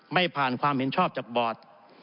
ไม่ผ่านความเห็นชอบจากบอร์ด